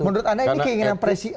menurut anda ini keinginan presiden